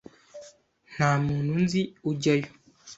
Ntamuntu nzi ujyayo.